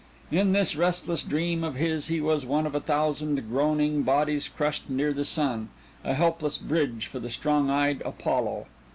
In this restless dream of his he was one of a thousand groaning bodies crushed near the sun, a helpless bridge for the strong eyed Apollo.